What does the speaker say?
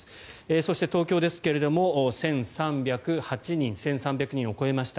そして東京ですが１３０８人１３００人を超えました。